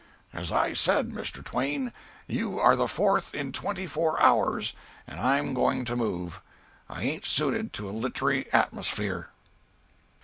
As I said, Mr. Twain, you are the fourth in twenty four hours and I'm going to move; I ain't suited to a littery atmosphere."